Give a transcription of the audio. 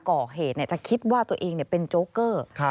ก่อเหตุจะคิดว่าตัวเองเป็นโจ๊กเกอร์